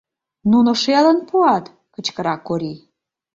Нуно шелын пуат! — кычкыра Кори.